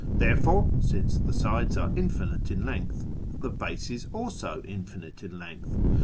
Therefore, since the sides are infinite in length, the base is also infinite in length.